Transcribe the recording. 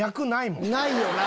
ないよな！